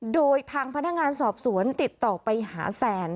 โดยทางพนักงานสอบสวนติดต่อไปหาแซน